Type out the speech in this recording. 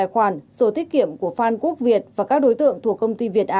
quê quán hoàng tâm